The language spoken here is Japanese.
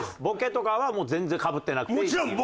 ボケとかはもう全然かぶってなくていいっていう？